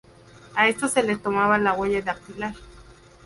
A estos se les tomaba la huella dactilar.